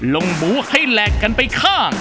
หมูให้แหลกกันไปข้าง